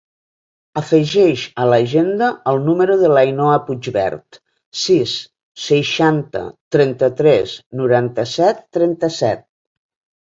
Afegeix a l'agenda el número de l'Ainhoa Puigvert: sis, seixanta, trenta-tres, noranta-set, trenta-set.